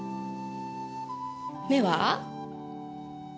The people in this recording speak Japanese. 目は？